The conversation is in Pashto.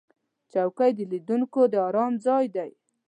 چوکۍ د لیدونکو د آرام ځای دی.